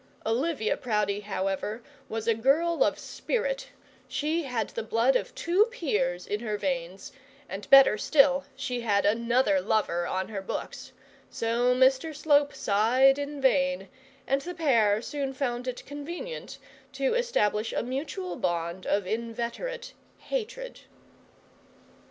Olivia Proudie, however, was a girl of spirit: she had the blood of two peers in her veins, and, better still, she had another lover on her books; so Mr Slope sighed in vain; and the pair soon found it convenient to establish a mutual bond of inveterate hatred.